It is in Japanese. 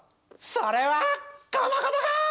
それはこのことか？